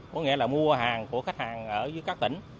có nghĩa là mua hàng của khách hàng ở các tỉnh